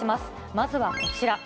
まずはこちら。